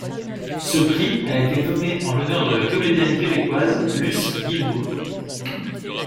Ce prix a été nommé en l'honneur de la comédienne québécoise Luce Guilbeault.